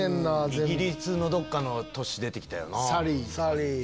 イギリスのどっかの都市出て来たよな。